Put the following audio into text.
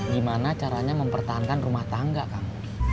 gimana caranya mempertahankan rumah tangga kang